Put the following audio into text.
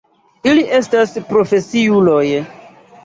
Ili estas profesiuloj.